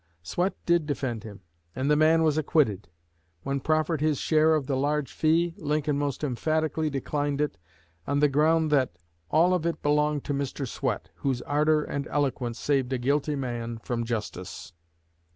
Swett did defend him, and the man was acquitted. When proffered his share of the large fee, Lincoln most emphatically declined it, on the ground that 'all of it belonged to Mr. Swett, whose ardor and eloquence saved a guilty man from justice.'"